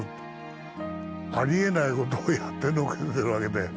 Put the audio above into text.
ありえないことをやってのけてるわけで。